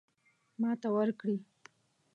ماته ورکړي.